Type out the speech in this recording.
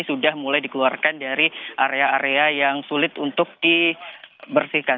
sudah mulai dikeluarkan dari area area yang sulit untuk dibersihkan